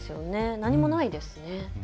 何もないですね。